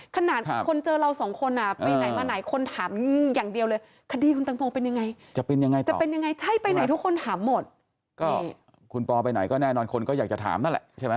ขนาดคนเจอเราสองคนไปไหนมาไหนคนถามอย่างเดียวเลย